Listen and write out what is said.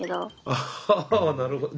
あなるほど。